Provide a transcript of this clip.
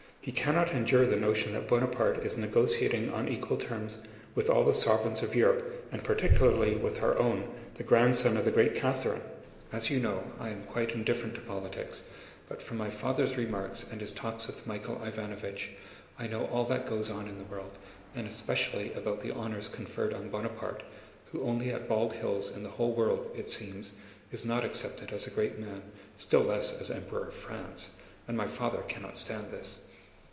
He cannot endure the notion that Buonaparte is negotiating on equal terms with all the sovereigns of Europe and particularly with our own, the grandson of the Great Catherine! As you know, I am quite indifferent to politics, but from my father's remarks and his talks with Michael Ivánovich I know all that goes on in the world and especially about the honors conferred on Buonaparte, who only at Bald Hills in the whole world, it seems, is not accepted as a great man, still less as Emperor of France. And my father cannot stand this.